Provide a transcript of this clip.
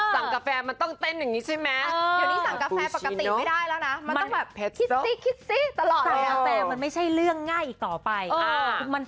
สั่งกาแฟมันต้องเต้นแบบนี้ใช่มั้ย